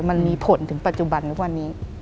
มันมีผลถึงปัจจุบันทุกวันนี้